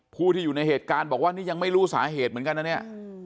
ผู้ที่อยู่ในเหตุการณ์บอกว่านี่ยังไม่รู้สาเหตุเหมือนกันนะเนี่ย